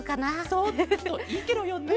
そういいケロよね。